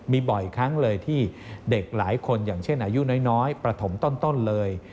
มีบ่อยครั้งเลยที่เด็กหลายคนอย่างเช่นอายุน้อยประถมต้นเลย